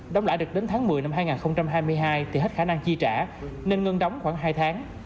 đóng lại được đến tháng một mươi năm hai nghìn hai mươi hai thì hết khả năng chi trả nên ngân đóng khoảng hai tháng